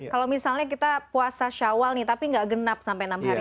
kalau misalnya kita puasa syawal nih tapi nggak genap sampai enam hari